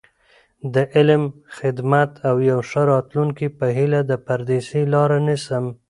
د علم، خدمت او یو ښه راتلونکي په هیله، د پردیسۍ لاره نیسم.